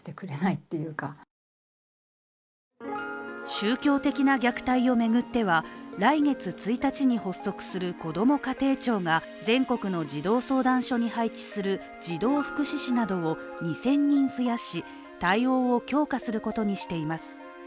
宗教的な虐待を巡っては来月１日に発足するこども家庭庁が全国の児童相談所に配置する児童福祉司などを２０００人増やし対応を強化することにしています。